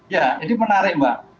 ya ini menarik mbak